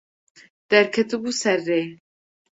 Derketibû ser rê.